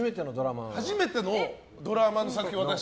初めてのドラマの作品に私。